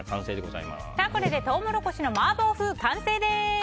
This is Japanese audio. これでトウモロコシの麻婆風完成です。